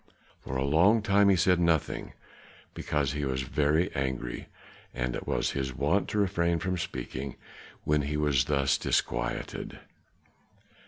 For a long time he said nothing, because he was very angry, and it was his wont to refrain from speaking when he was thus disquieted.